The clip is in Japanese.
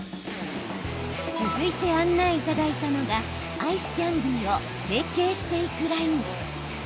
続いて案内いただいたのがアイスキャンディーを成型していくライン。